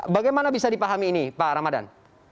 bagaimana bisa dipahami ini pak ramadan